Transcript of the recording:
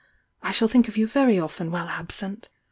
I ahaU think of you very often while absent!